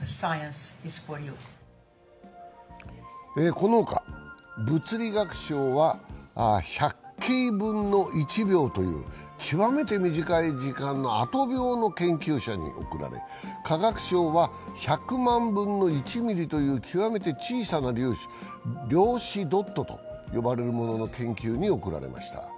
この他、物理学賞は１００京分の１秒という極めて短い時間、アト秒の研究者に贈られ、化学賞は１００万分の１ミリという極めて小さな粒子、量子ドットと呼ばれるものの研究に贈られました。